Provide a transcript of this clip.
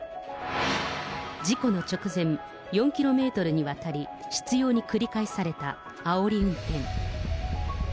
事故の直前、４キロメートルにわたり、執ように繰り返されたあおり運転。